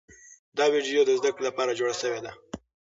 دا ویډیو د زده کړې لپاره جوړه شوې ده.